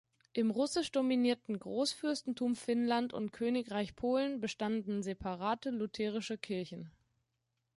Im russisch dominierten Großfürstentum Finnland und Königreich Polen bestanden separate lutherische Kirchen.